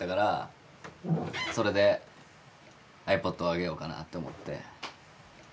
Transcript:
それでｉＰｏｄをあげようかなと思って。